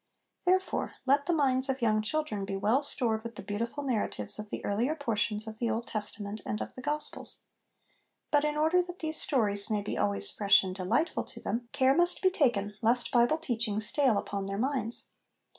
Therefore, let the minds of young children be well stored with the beautiful narratives of the earlier portions of the Old Testament and of the gospels ; but, in order that these stories may be always fresh and delightful to them, care must be taken lest Bible teaching stale upon their minds.